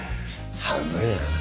半分やがな。